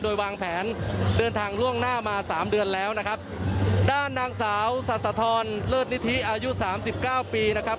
โดยวางแผนเดินทางล่วงหน้ามาสามเดือนแล้วนะครับด้านนางสาวศาสะทรเลิศนิธิอายุสามสิบเก้าปีนะครับ